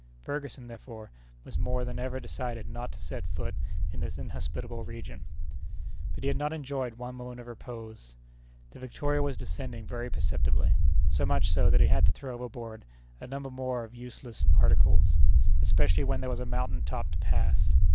Ferguson, therefore, was more than ever decided not to set foot in this inhospitable region. But he had not enjoyed one moment of repose. The Victoria was descending very perceptibly, so much so that he had to throw overboard a number more of useless articles, especially when there was a mountain top to pass.